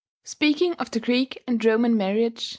] Speaking of the Greek and Roman marriage, M.